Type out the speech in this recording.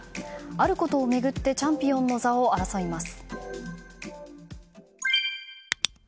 あることを巡ってチャンピオンの座を争います。